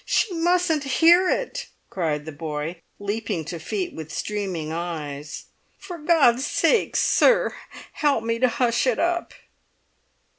She mustn't hear it!" cried the boy, leaping to feet with streaming eyes. "For God's sake, sir, help me to hush it up!"